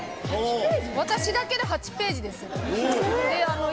私だけで８ページですよ。